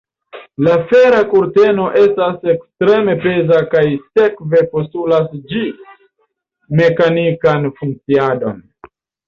La fera kurteno estas ekstreme peza kaj sekve postulas ĝi mekanikan funkciadon.